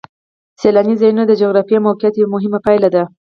سیلاني ځایونه د جغرافیایي موقیعت یوه مهمه پایله ده.